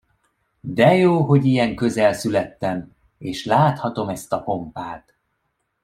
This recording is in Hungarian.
De jó, hogy ilyen közel születtem, és láthatom ezt a pompát!